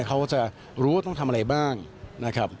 เขาจะรู้ว่าต้องทำอะไรบ้างนะครับ